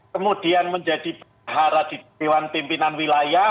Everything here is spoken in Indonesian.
kemudian menjadi penhara di dewan pimpinan wilayah